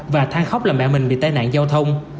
và thang khóc làm mẹ mình bị tai nạn giao thông